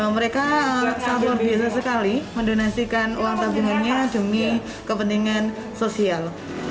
mereka sangat luar biasa sekali mendonasikan uang tabungannya demi kepentingan sosial